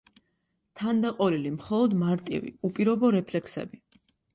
თანდაყოლილი მხოლოდ მარტივი, უპირობო რეფლექსები.